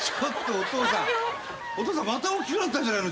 お父さんまた大きくなったんじゃないの？